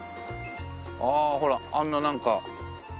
ああほらあんななんか。